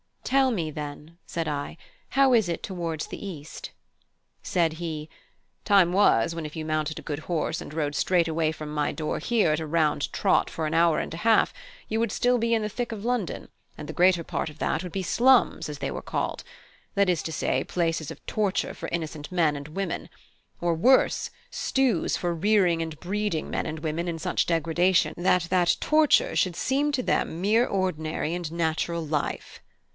"Tell me, then," said I, "how is it towards the east?" Said he: "Time was when if you mounted a good horse and rode straight away from my door here at a round trot for an hour and a half; you would still be in the thick of London, and the greater part of that would be 'slums,' as they were called; that is to say, places of torture for innocent men and women; or worse, stews for rearing and breeding men and women in such degradation that that torture should seem to them mere ordinary and natural life."